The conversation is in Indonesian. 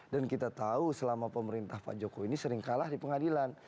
dan kita tahu selama pemerintah pak jokowi ini sering kalah di pengadilan